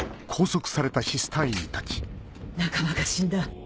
仲間が死んだ。